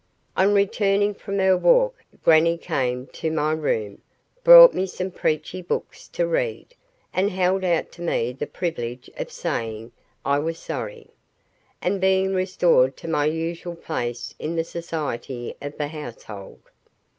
On returning from her walk grannie came to my room, brought me some preachy books to read, and held out to me the privilege of saying I was sorry, and being restored to my usual place in the society of the household.